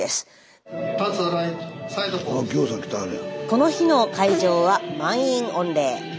この日の会場は満員御礼。